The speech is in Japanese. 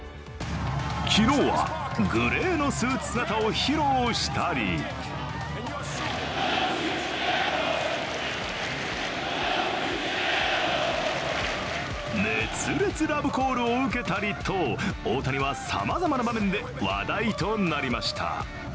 昨日は、グレーのスーツ姿を披露したり熱烈ラブコールを受けたりと大谷はさまざまな場面で話題となりました。